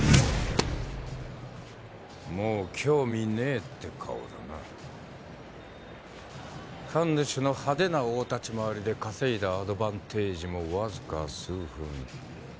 もう興味ねえって顔だな神主の派手な大立ち回りで稼いだアドバンテージもわずか数分